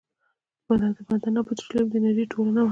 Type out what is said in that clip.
بله د معدن او پیټرولیم د انجینری ټولنه وه.